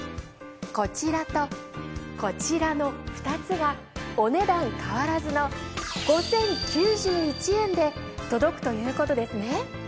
こちらとこちらの２つがお値段変わらずの５，０９１円で届くということですね。